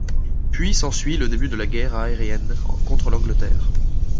Puis s'ensuit le début de la guerre aérienne contre l'Angleterre.